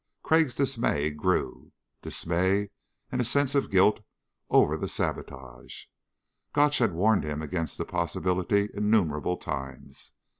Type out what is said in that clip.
Crag's dismay grew dismay and a sense of guilt over the sabotage. Gotch had warned him against the possibility innumerable times.